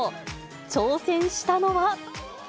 挑戦したのは。